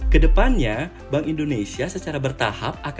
kedepannya bank indonesia secara bertahap akan menggariskan